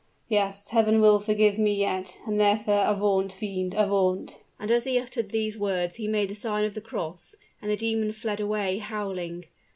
Yes, Heaven will forgive me yet: and therefore avaunt, fiend! avaunt!" And as he uttered these words he made the sign of the cross, and the demon fled away howling.